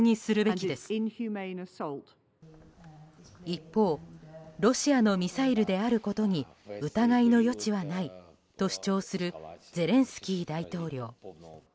一方ロシアのミサイルであることに疑いの余地はないと主張するゼレンスキー大統領。